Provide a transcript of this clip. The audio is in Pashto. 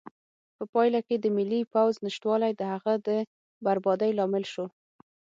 په پایله کې د ملي پوځ نشتوالی د هغه د بربادۍ لامل شو.